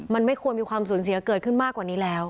มันไม่ควรมีความสูญเสียเกิดขึ้นมากกว่านี้แล้ว